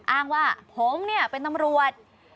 อ้างว่าผมเนี่ยเป็นตำรวจ